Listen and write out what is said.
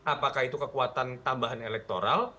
apakah itu kekuatan tambahan elektoral